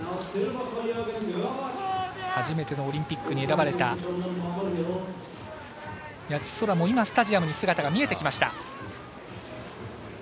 初めてのオリンピックに選ばれた谷地宙もスタジアムに姿が見えてきました。